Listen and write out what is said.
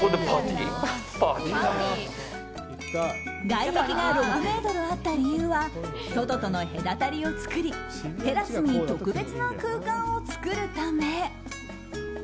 外壁が６ｍあった理由は外との隔たりを作りテラスに特別な空間を作るため。